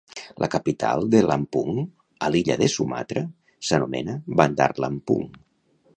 La capital de Lampung, a l'illa de Sumatra, s'anomena Bandar Lampung.